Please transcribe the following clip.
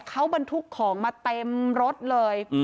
เขาบรรทุกของมาเต็มรถเลย